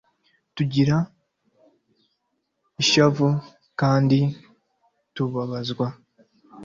tugira ishavu kandi tubabazwa